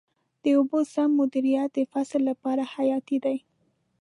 د اوبو سم مدیریت د فصل لپاره حیاتي دی.